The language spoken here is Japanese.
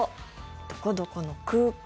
どこどこの空港。